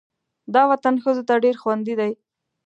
دا وطن ښځو ته ډېر خوندي دی.